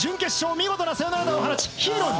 見事なサヨナラ打を放ちヒーローに。